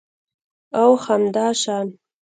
او همداشان